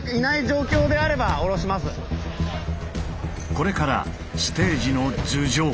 これからステージの頭上。